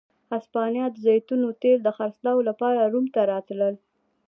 هسپانیا د زیتونو تېل د خرڅلاو لپاره روم ته راتلل.